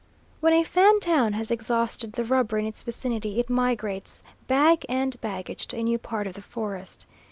When a Fan town has exhausted the rubber in its vicinity, it migrates, bag and baggage, to a new part of the forest.